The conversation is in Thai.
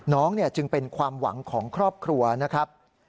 น้องจึงเป็นความหวังของครอบครัวนะครับ